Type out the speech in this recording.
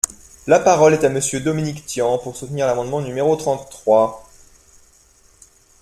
La parole est à Monsieur Dominique Tian, pour soutenir l’amendement numéro trente-trois.